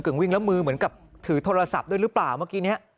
วิ่งแล้วมือเหมือนกับถือโทรศัพท์ด้วยหรือเปล่าเมื่อกี้นี้